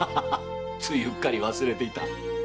ついうっかり忘れていた。